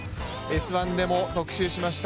「Ｓ☆１」でも特集しました